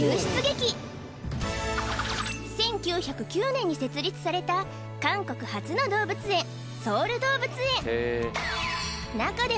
１９０９年に設立された韓国初の動物園ソウル動物園